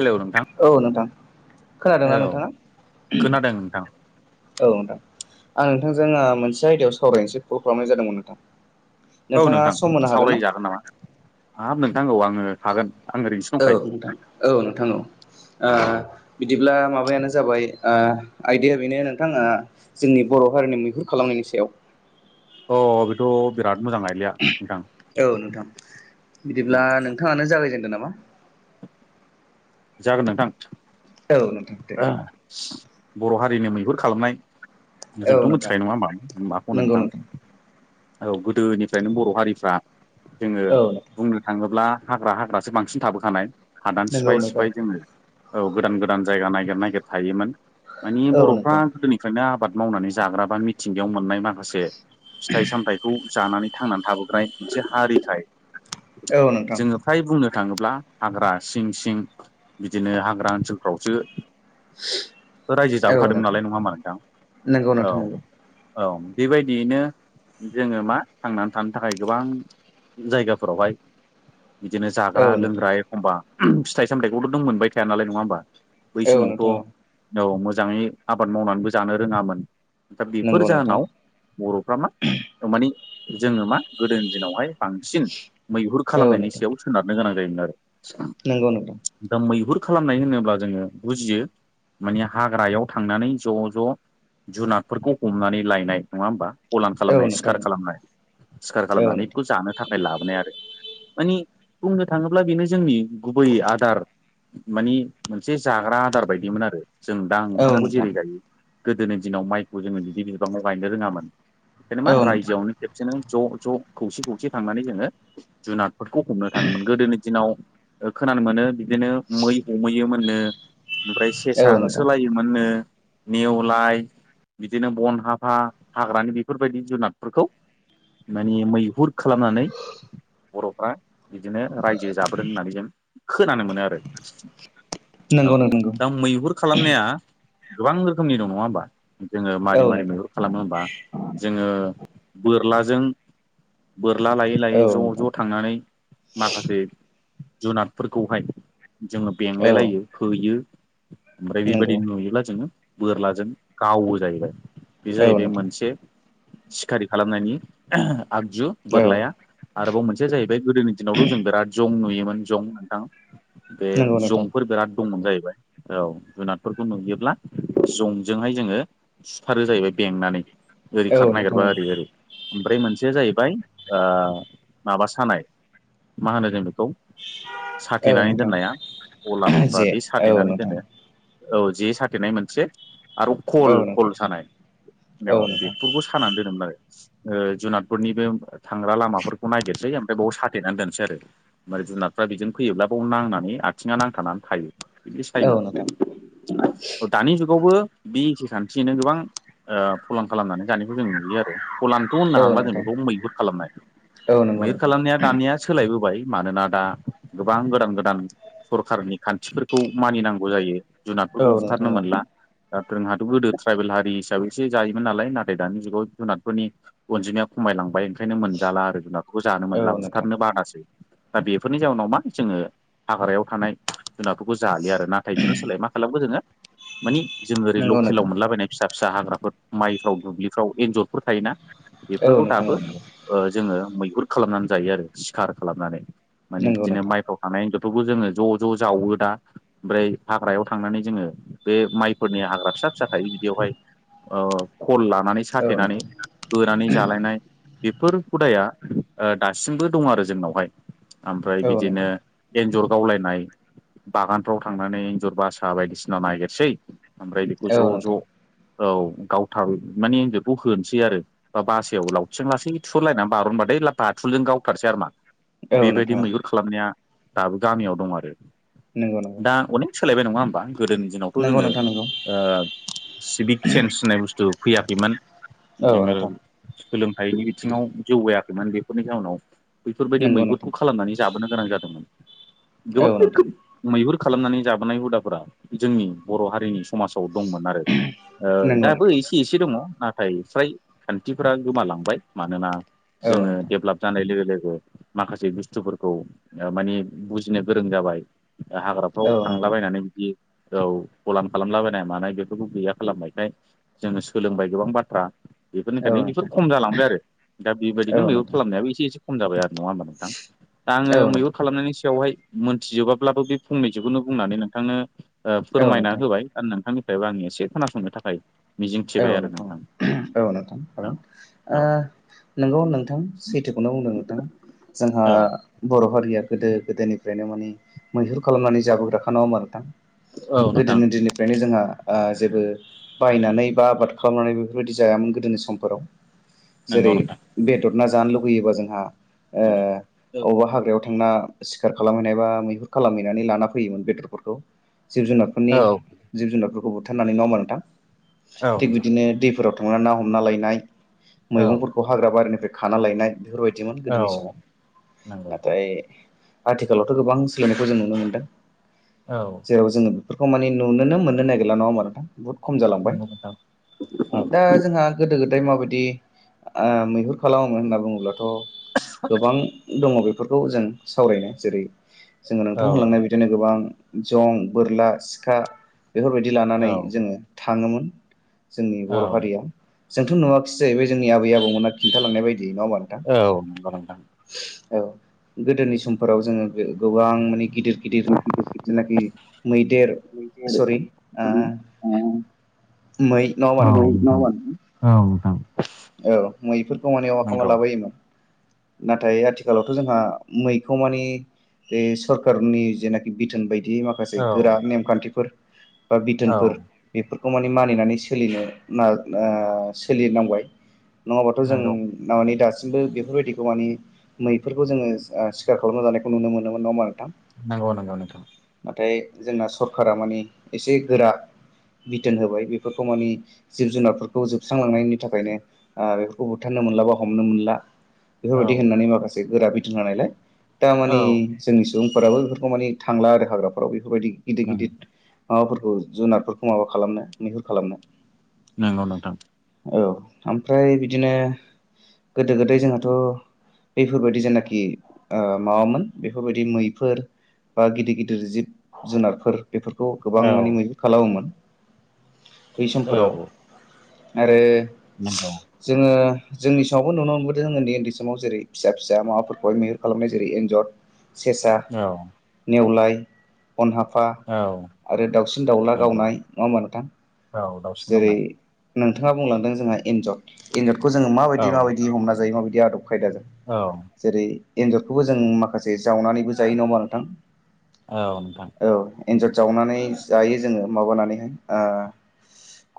Hello नोंथां औ नोंथां खोनादोंना औ नोंथाङा? खोनादों नोंथां औ नोंथां आं नोंथांजों ओ मोनसे आयदायाव सावरायनोसै कल खालामनाय जादोंमोन नोंथां। औ नोंथाङा नोंथां सम होनो हागोन ना? सावराय जागोन नामा हाब नोंथां औ आङो हागोन। आं ओरैनोसो औ दंखायो नोंथां औ नोंथां औ। ओ बिदिब्ला माबायानो जाबाय ओ आयदाया बेनो नोंथाङा ओ जोंनि बर' हारिनि मैहुर खालामनायनि सायाव। अ बेथ' बिराद मोजां आयदाया नोंथां। औ नोंथां बिदिब्ला उम नोंथाङानो जागायजेनदो नामा? जागोन नोंथां। औ नोंथां। दे बर' हारिनि मैहुर खालामनाय औ जोंथ' नोंथां मिथिखायो नङा होमबा माखौ होनो नोंथां औ गोदोनिफ्रायनो बर' हारिफ्रा जोङो औ नोंथां बुंनो थाङोब्ला हाग्रा हाग्रासो बांसिन थाबोखानाय। हादान नंगौ सिफाय नोंथां सिफाय जोङो औ गोदान गोदान जायगा नागिर नागिर थायोमोन। मानि औ बर'फ्रा नोंथां गोदोनिफ्रायनो आबाद मावनानै जाग्रा बा मिथिंगायाव मोननाय मा माखासे फिथाइ सामथाइखौ जानानै थांनानै थाबोनाय मोनसे हारिखाय औ नोंथां। जोङो फ्राय बुंनो थाङोब्ला हाग्रा सिं-सिं बिदिनो हाग्रा ओनसोलफ्रावसो रायजो औ जाबोखादोंमोन नोंथां नालाय नङा होमबा नोंथां नंगौ औ औ। नोंथां नंगौ औ बेबायदियैनो जोङो मा थांनानै थानो थाखाय गोबां जायगाफोरावहाय बिदिनो औ नोंथां जाग्रा-लोंग्रा एखमबा फिथाइ सामथाइखौथ' नों मोनबाय थाया नालाय नङा होनोबा। बै औ नोंथां औ समावथ' औ मोजाङै आबाद मावनानैबो जानो रोङामोन। दा नंगौ बेफोर नोंथां जाहोनाव बर'फ्रा मा ओ मानि जोङो मा गोदोनि दिनावहाय बांसिन मैहुर औ खालामनायनि नोंथां सायाव सोनारनो गोनां जायोमोन आरो। नंगौ नोंथां। दा मैहुर खालामनाय होनोब्ला जोङो बुजियो माने हाग्रायाव थांनानै ज'- ज' जुनादफोरखौ हमनानै लायनाय नङा होमबा। फलान औ खालामनाय नोंथां सिखार खालामनाय सिखार औ खालामनानै नोंथां बेखौ जानो थाखाय लाबोनाय आरो। मानि बुंनो थाङोब्ला बेनो जोंनि गुबै आदार माने मोनसे जाग्रा आदार बायदिमोन आरो जों दा औ ओंखामखौ नोंथां जेरै जायो। गोदोनि दिनाव माइखौ जोङो बिदि बिबाङाव गायनो रोङामोन जेनेबा औ नोंथां रायजोआवनो खेबसेनो ज'-ज' खौसे खौसे थांनानै जोङो जुनादफोरखौ हमनो थाङोमोन गोदोनि दिनाव ओ खोनानो मोनो बिदिनो मै हमहैयोमोननो ओमफ्राय औ सेसा नोंथां होसोलायो मोनो नो नेवलाय बिदिनो बन हाफा हाग्रानि बेफोर बायदि जुनादफोरखौ माने मैहुर खालामनानै बर'फ्रा बिदिनो रायजो जाबोदों होननानै जों खोनानो मोनो आरो। औ नंगौ नंगौ दा मैहुर खालामनाया गोबां रोखोमनि दं नङा होमबा जोङो औ मारै मारै नोंथां मैहुर खालामो होमबा जोङो बोरलाजों बोरला लायै-लायै औ नोंथां ज'-ज' थांनानै माखासे जुनादफोरखौहाय जोङो बेंलाय औ लायो। होयो ओमफ्राय बेबायदि नंगौ नुयोब्ला जोङो बोरलाजों गावो जाहैबाय। बे औ जाहैबाय नोंथां मोनसे सिखारि खालामनायनि आगजु औ बोरलाया। आरोबाव मोनसेया जाहैबाय गोदोनि दिनावथ' जों बिराद जं नुयोमोन जं नोंथां। बे नंगौ नोंथां जंफोर बिराद दंमोन जाहैबाय औ जुनादफोरखौ नुयोब्ला जंजोंहाय जोङो सुथारो जाहैबाय बेंनानै ओरै औ खारनो नोंथां नागिरबा ओरै ओरै ओमफ्राय मोनसेया जाहैबाय ओ माबा सानाय मा होनो जों बेखौ औ साथेनानै नोंथां दोननाया जे अलानफ्रादि औ साथेनानै नोंथां दोनो औ जे साथेनाय मोनसे आरो खल औ नोंथां खल सानाय औ बेखौबो खानानै दोनोमोन आरो। जुनादफोरनिबो थांग्रा लामाफोरखौ नायगिरसै ओमफ्राय बेयावाव साथेनानै दोनसै आरो। ओमफ्राय जुनारफ्रा बिजोंनो फैयोब्ला बेयाव नांनानै आथिङा नांथानानै थायो बिदि औ सायोमोन। नोंथां दानि जुगावबो बे एखे खान्थियिनो गोबां ओ फलान खालामनानै जानायखौ जों नुयो आरो। फलानथ' होननो औ थांला जों नोंथां बेखौ मैहुर खालामनाय। औ नंगौ मैहुर नोंथां खालामनाया दानिया सोलायबोबाय मानोना दा गोबां गोदान गोदान सरखारनि खान्थिफोरखौ मानिनांगौ जायो जुनादफोरखौ औ बुथारनो नोंथां मोनला। दा जोंहाथ' गोदो ट्राइबेल हारि हिसाबै एसे जायोमोन नालाय नाथाय दानि जुगाव जुनादफोरनि अनजिमाया खमायलांबाय ओंखायनो मोनजाला आरो जुनारफोरखौबो जानो औ मोनला नोंथां बुथारनो बादासो दा बेफोरनि जाउनाव मा जोङो हाग्रायाव थानाय जुनादफोरखौ जालि आरो नाथाय बिनि सोलाय मा खालामखै जोङो मानि जोङो ओरै नंगौ लकेलाव नोंथां मोनलाबायनाय फिसा फिसा हाग्राफोर माइफ्राव दुब्लिफ्राव एन्जरफोर थायोना औ बेफोरखौ नोंथां दाबो औ नंगौ जोङो मैहुर खालामनानै जायो आरो सिखार खालामनानै माने नंगौ बिदिनो नोंथां माइखौ एनजररखौबो जोङो ज' ज' जावो दा ओमफ्राय हाग्रायाव थांनानै जोङो बे माइफोरनि हाग्रा फिसा फिसा थायो बिदियावहाय ओ खल लानानै औ साथेनानै नोंथां होनानै जालायनाय बेफोर हुदाया ओ दासिमबो दं आरो जोंनावहाय ओमफ्राय औ बिदिनो नोंथां एन्जर गावलायनाय बागानफ्राव थांनानै एन्जर बासा बायदिसिना नागिरसै ओमफ्राय बेखौ ज' औ ज' नोंथां औ गावथार माने एनजरखौ होनोसै आरो बा बासायाव लावथिंजों लासै थुहरलायनानै बारनबाथाय बाथुलजों गावथारसै आरो मा औ बेबायदि नोंथां मैहुर खालामनाया दाबो गामियाव दं आरो। नंगौ। नंगौ दा अनेक सोलायबाय नङा होमबा गोदोनि दिनावथ' नंगौ जोङो नोंथां नंगौ ओ सिभिक चेन्स होननाय बुस्थु फैयाखैमोन औ जोङो नोंथां सोलोंथाइनि बिथिङाव जौगायाखैमोन बेफोरनि जाहोनाव बैफोरबायदि नंगौ नोंथां मैहुरखौ खालामनानै जाबोनो गोनां जादोंमोन औ गोबां नोंथां रोखोम मैहुर खालामनानै जाबोनाय हुदाफोरा जोंनि बर' हारिनि समाजाव दंमोन आरो। ओ नंगौ दाबो नोंथां एस इसे दङ नाथाय फ्राय खान्थिफोरा गोमालांबाय मानोना औ जोङो नोंथां डेब्लाप जानाय लोगो लोगो माखासे बुस्थुफोरखौ ओ माने बुजिनो गोरों जाबाय। ओ हाग्राफ्राव औ नोंथां थांलाबायनानै बिदि औ फलान खालामलाबायनाय मानाय बेफोरखौ गैया खालामनायखाय जोङो सोलोंबाय गोबां बाथ्रा औ बेफोरनिखायनो बेफोर नोंथां खम जालांबाय आरो दा बेबायदिनो औ मैगुर नोंथां खालामनायाबो एसे एसे खम जाबाय आरो नङा होमबा नोंथां? दा आङो औ मैहुर नोंथां खालामनायनि सायावहाय मोनथिजोबा ब्लाबो बे फंनैसखौनो बुंनानै नोंथांनो ओ औ फोरमायना नोंथां होबाय। दा नोंथांनिफ्रायबो आं एसे खोनासंनो थाखाय औ‌ मिजिंथिबाय आरो नोंगौ नोंथां औ नोंथां औ। ओ औ नोंगौ नोंथां सैथोखौनो बुंदों नोंथाङा जोंहा औ बर' हारिया गोदो गोदोनिफ्रायनो माने मैहुर खालामनानै जाबोग्राखा नङा होमबा नोंथां। औ नोंथां गोदोनि दिनिफ्रायनो जोंहा ओ जेबो बायनानै बा आबाद खालामनानै बेफोरबायदि जायामोन गोदोनि समफोराव जेरै नंगौ नोंथां बेदर ना जानो लुुबैयोबा जोंहा औ अबेबा हाग्रायाव थांना सिखार खालामहैनाय बा मैहुर खालामहैनानै लाना फैयोमोन बेदरफोरखौ जिब जुनार फोरनि नोंथां औ जिब जुनारफोरखौ बुथारनानै नडा़ होनबा नोंथां औ थिग नोंथां बिदिनो दैफोराव थांनानै ना हमना लायनाय औ मैगंफोरखौ हाग्रा बारिनिफ्राय खाना लायनाय बेफोरबायदिमोन औ गोदोनि समाव नंगौ औ नाथाय आथिखालावथ' गोबां सोलायनायखौ जों नुनो मोन्दों औ जेराव जोङो बेफोरखौ माने नुनोनो मोननो नागिरला नङा होमबा नोंथां बहुत खम जालां नंगौ नोंथां दा जोंहा गोदो गोदाय माबायदि मैहुर खालामोमोन होनना बुङोब्लाथ' गोबां दङ बेफोर बेफोरखौ जों सावरायनो जेरै जों औ नोंथां होनलांनाय बायदि बिदिनो गोबां जं बोरला सिखा बेफोरबायदि औ लानानै जोङो थाङोमोन जोंनि बर' हारिया जोंथ' नुवाखिसै जाहैबाय जोंनि आबै आबौमोना खिन्थालांनाय बायदि नङा होमबा नोंथां औ नंगौ नोंथां औ गोदोनि समफोराव जोङो गोबां माने गिदिर गिदिर जेनाखि मैदेर सरि मै नङा होमबा औ नोंथां औ नोंथां औ मैफोरखौ माने [unintelligible] खालामना नंगौ लाबायोमोन नाथाय आथिखालावथ' जोंहा मैखौ मानि बे सरखारनि जेनाखि बिथोन बायदि माखासे माखासे औ गोरा नेमखान्थिफोर बा औ बिथोनफोर बेफोरखौ मानि मानिनानै सोलिनो सोलिनांबाय नङाबाथ' जों नंगौ माने दासिमबो बेफोरबायदिखौ माने मैफोरखौ जोङो सिखार खालामना जानायखौ नुनो मोनोमोन नड़ा होमबा नोंथां नंगौ नंगौ नोंथां नाथाय जोंना सरखारा माने एसे गोरा बिथोन होबाय बेफोरखौ माने जिब जुनारफोरखौ जोबस्रांलांनायनि थाखायनो बेफोरखौ बुथारनो मोनला बा हमनो मोनला औ बेफोरबायदि होननानै माखासे गोरा बिथोन होनायलाय दा मानि औ जोंनि सुबुंफोराबो बेफोरखौ माने थांला आरो हाग्राफोराव बेफोरबायदि गिदिर नंगौ गिदिर माबाफोरखौ जुनारफोरखौ माबा खालामनो मैहुर खालामनो नंगौ नोंथां औ ओमफ्राय बिदिनो गोदो गोदाय जोंहाथ' बेफोरबायदि जेनाखि माबामोन बेफोरबायदि मैफोर बा गिदिर गिदिर जिब जुनारफोर बेफोरखौ गोबां औ माने मैहुर खालामोमोन बै औ समफोराव आरो नंगौ [unintelligible] जोङो जोंनि समावबो नुनो मोनबोदों उन्दै समाव जेरै फिसा फिसा माबाफोरखौहाय मैहुर खालामनाय जेरै एन्जर सेसा औ नेवलाय अन हाफा औ आरो दाउसिन दाउला नंगौ गावनाय नङा होमबा नोंथां औ दाउसिन जेरै दाउला नोंथाङा बुंलांदों जोंहा एन्जर एन्जरखौ जोङो औ माबायदि माबायदि हमना जायो माबायदि आदब खायदाजों औ जेरै एन्जरखौबो जों माखासे जावनानैबो जायो होमबा नोंथां औ नोंथां औ एन्जर जावनानै जायो जोङो माबानानैहाय ओ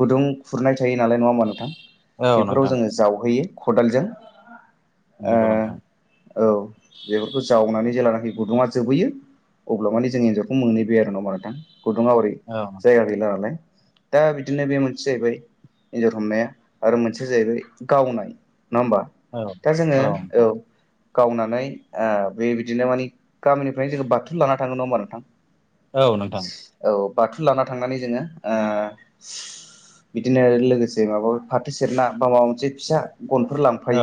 गुदुं खुरनाय थायो नालाय नङा होमबा नोंथां औ बेफोराव नोंथां जोङो जावहैयो खदालजों नोंगौ ओ नोंथां औ बेफोरखौ जावनानै जेलानाखि गुदुंआ जोबहैयो अब्ला मानि जों एन्जरखौ मोनैबाय आरोना नङा होमबा नोंथां गुदुंआ एरै औ जायगा गैला नालाय दा बिदिनो बे मोनसे जाहैबाय एन्जर हमनाया आरो मोनसेआ जायैबाय गावनाय नङा होमबा औ दा जोङो औ गावनानै ओ बेबायदिनो मानि गामिनिफ्रायनो जोङो बाथुल लाना थाङो नङा होमबा नोंथां औ नोंथां औ बाथुल लाना थांनानै जोङो ओ बिदिनो लोगोसे माबा ओ फाथो सेरना बा माबा मोनसे फिसा गनफोर लांफायो औ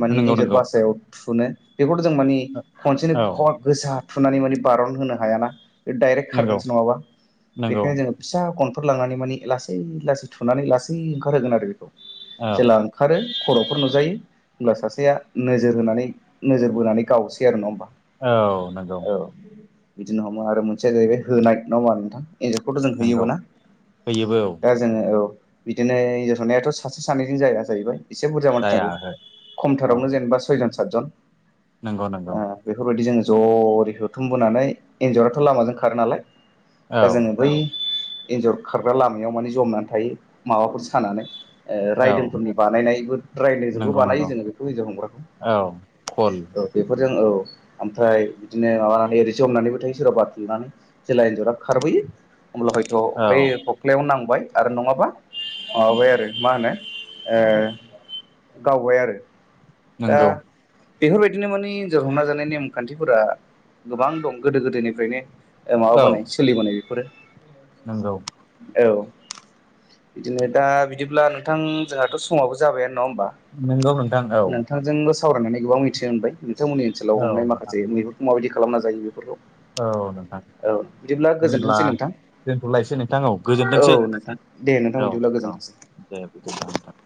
माने नंगौ एन्जर नंगौ बासायाव थुनो बेखौथ' जों मानि खनसेनो औ खट गोसा थुनानै माने बारन होनो हायाना ओ डाइरेक्ट नंगौ खारगोनसो नङाबा नंगौ बेखायनो जोङो फिसा गनफोर लांनानै माने लासै लासै थुनानै लासै ओंखारहोगोन आरो बेखौ औ जेला ओ ओंखारो खर'फोर नुजायो होनब्ला सासेआ नोजोर होनानै नोजोर बोनानै गावसै आरो नङा होमबा औ नोंगौ औ बिदिनो हमो आरो मोनसेआ जाहैबाय होनाय नङा होमबा नोंथां एन्जरखौथ' जों नंगौ होयोबो ना फैयोबो औ दा जोङो औ बिदिनो एन्जर होनायाथ'' सासे सानैजों जाया जाहैबाय एसे बुरजा मानसि जाया नांगौ ओहो खमथारावनो जेनोबा सयजन साथजन नोंगौ नोंगौ बेफोरबादि जोङो ज' एरै होथुमबोनानै एन्जराथ' लामाजों खारो नालाय औ दा जोङो बै एन्जर खारग्रा लामायाव माने ज'मनानै थायो माबाफोर सानानै ओ औ रायदोंफोरनि बानायनायबो रायदोंजोंबो नंगौ नंगौ बानायो जोङो बेखौ एन्जर हमग्राखौ औ खल औ बेफोरजों औ आमफ्राय बिदिनो माबानानै ओरै जमनानैबो थायो सोरबा थुनानै जेला एन्जरा खारबोयो होमब्ला हयथ' औ बे ख'ख्लायाव नांबाय आरो नङाबा माबाबाय आरो मा होनो ओ गावबाय आरो दा नंगौ बेफोरबादिनो मानि एन्जर हमना जानाय नेमखान्थिफोरा गोबां दं गोदो गोदाइनिफ्रायनो ओ माबा बानायो सुलिबोनाय बेफोरो नोंगौ औ दिनै दा बिदिब्ला नोंथां जोंहाथ' समावबो जाबायानो नङा होमबा? नोंगौ नोंथां औ नोंथांजों बो सावरायनानै गोबां मिथि होनबाय नोंथांमोननि ओनसोलाव हमनाय औ माखासे मैहुरखौ माबायदि खालामना जायो बेफोरखौ औ बिदिब्ला होनब्ला गोजोनथोंसै नोंथां दोनथ'लायसै नोंथां औ औ गोजोनथोंसै नोंथां दे नोंथां औ बिदिब्ला औ गोजोनथोंसै दे बिदिब्ला नोंथां